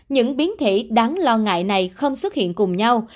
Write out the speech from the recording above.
những biến thể đáng lo ngại này không xuất hiện cùng nhau